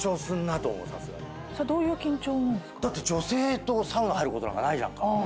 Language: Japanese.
だって女性とサウナ入ることなんかないじゃんか。